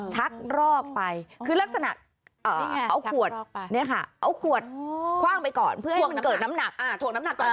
ชักรอกไปคือลักษณะเอาขวดคว่างไปก่อนเพื่อให้เกิดน้ำหนัก